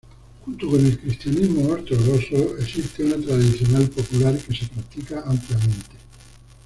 Junto con el cristianismo ortodoxo, existe una tradicional popular que se practica ampliamente.